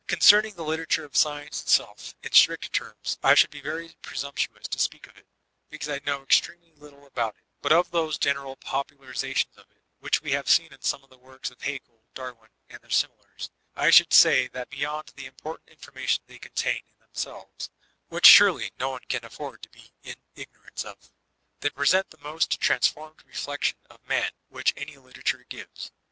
Concerning the literatttre of Sdence itself, in strict terms, I should be very presumptuous to speak of it, be '374 VOLTAISINE DE ClEYXB cause I know extremely little about it ; but of those eral popularizations of it, which we have in some of the works of Haeckel, Darwin, and their similars, I should say that beyond the important information they contain in themselves (which surely no one can afford to be in ignorance of) they present the most transformed re flection of Man which any literature gives.